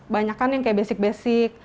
banyak kan yang kayak basic basic